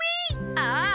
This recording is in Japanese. ああ！